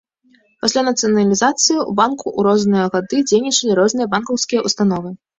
Пасля нацыяналізацыі ў банку ў розныя гады дзейнічалі розныя банкаўскія ўстановы.